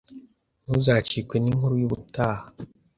Ntuzacikwe n’inkuru y ubutaha